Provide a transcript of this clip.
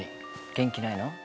元気ないの？